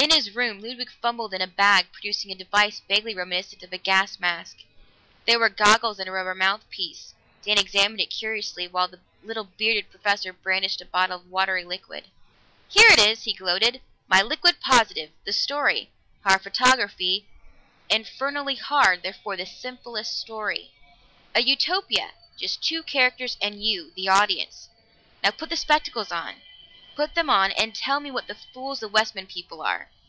In his room Ludwig fumbled in a bag, producing a device vaguely reminiscent of a gas mask. There were goggles and a rubber mouthpiece; Dan examined it curiously, while the little bearded professor brandished a bottle of watery liquid. "Here it is!" he gloated. "My liquid positive, the story. Hard photography infernally hard, therefore the simplest story. A Utopia just two characters and you, the audience. Now, put the spectacles on. Put them on and tell me what fools the Westman people are!"